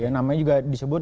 namanya juga disebut